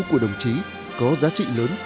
của đồng chí có giá trị lớn